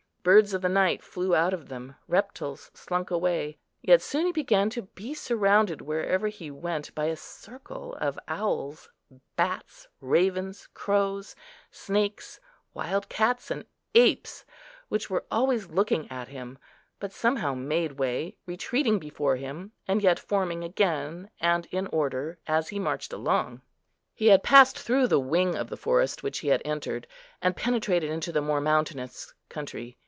Birds of the night flew out of them, reptiles slunk away; yet soon he began to be surrounded, wherever he went, by a circle of owls, bats, ravens, crows, snakes, wild cats, and apes, which were always looking at him, but somehow made way, retreating before him, and yet forming again, and in order, as he marched along. He had passed through the wing of the forest which he had entered, and penetrated into the more mountainous country.